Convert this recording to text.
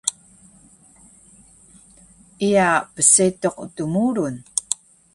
Iya psetuq dmurun